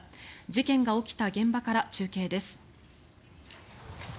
事件が起きた現場から中継です。